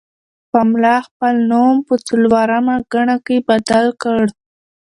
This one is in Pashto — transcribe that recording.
پملا خپل نوم په څلورمه ګڼه کې بدل کړ.